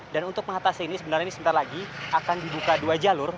dan untuk mengatasi ini sebenarnya sebentar lagi akan dibuka dua jalur